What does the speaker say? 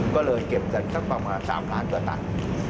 ก็เลยเก็บเกินสักประมาณ๓ล้านตัวตัด